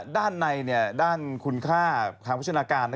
ด้านในเนี่ยด้านคุณคลาขาวจจันทร์ะการ